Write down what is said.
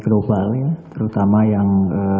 global ya terutama yang